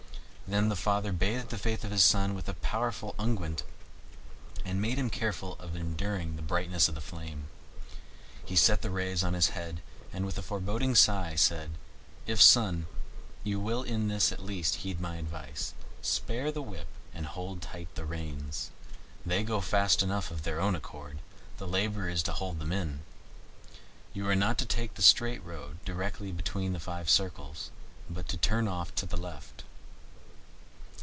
Then the father bathed the face of his son with a powerful unguent, and made him capable of enduring the brightness of the flame. He set the rays on his head, and, with a foreboding sigh, said, "If, my son, you will in this at least heed my advice, spare the whip and hold tight the reins. They go fast enough of their own accord; the labor is to hold them in. You are not to take the straight road directly between the five circles, but turn off to the left.